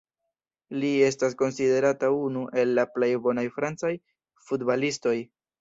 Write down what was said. Li estas konsiderata unu el la plej bonaj francaj futbalistoj.